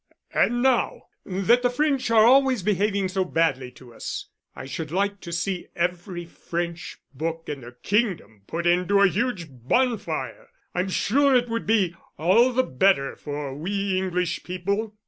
"And now that the French are always behaving so badly to us, I should like to see every French book in the kingdom put into a huge bonfire. I'm sure it would be all the better for we English people.